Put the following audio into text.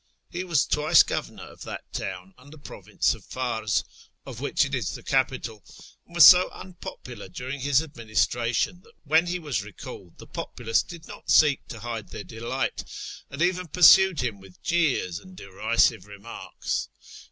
He was twice governor of that town and the province of Fars, of which it is the capital, and was so unpopular during his administration that when he was recalled the populace did not seek to hide their delight, and even pursued him with jeers and derisive remarks.